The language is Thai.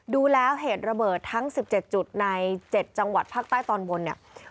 ดูแล้วเหตุระเบิดทั้ง๑๗จุดใน๗จังหวัดภาคใต้ตอนบนเนี่ย